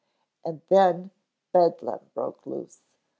And then bedlam broke loose.